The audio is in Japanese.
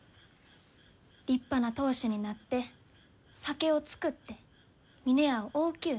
立派な当主になって酒を造って峰屋を大きゅうして。